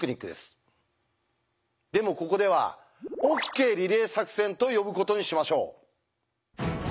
でもここでは「ＯＫリレー作戦」と呼ぶことにしましょう。